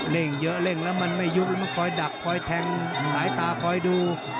่งเยอะเร่งแล้วมันไม่ยุบแล้วมันคอยดักคอยแทงหลายตาคอยดู